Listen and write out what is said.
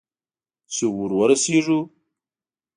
چې ور ورسېږو؟